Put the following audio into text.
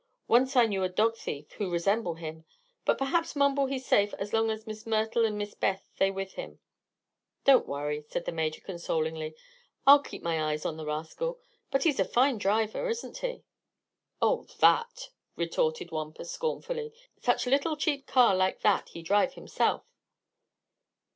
Once I knew a dog thief who resemble him; but perhaps Mumble he safe as long as Miss Myrtle an' Miss Beth they with him." "Don't worry," said the Major, consolingly. "I'll keep my eye on the rascal. But he's a fine driver, isn't he?" "Oh, that!" retorted Wampus, scornfully. "Such little cheap car like that he drive himself."